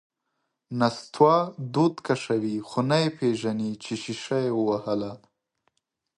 نستوه دود کشوي، خو نه یې پېژني چې شیشه یې ووهله…